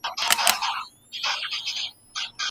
په وروسته پاته هېوادونو کي د پانګي کمښت د صنعت پراختیا محدودوي.